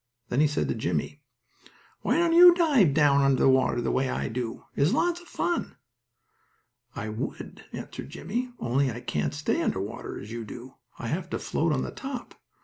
Then he said to Jimmie: "Why don't you dive down under the water the way I do? It's lots of fun." "I would," answered Jimmie, "only I can't stay under water as you do. I have to float on top.